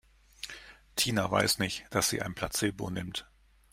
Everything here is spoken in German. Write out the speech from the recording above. Tina weiß nicht, dass sie ein Placebo nimmt.